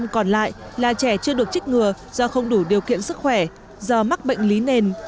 năm mươi còn lại là trẻ chưa được trích ngừa do không đủ điều kiện sức khỏe do mắc bệnh lý nền